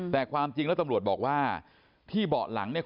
แต่ความจริงแล้วตำรวจบอกว่าที่เบาะหลังเนี่ย